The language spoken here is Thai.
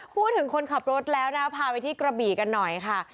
พูดถึงคนขับรถแล้วนะพาไปที่กระบี่กันหน่อยค่ะ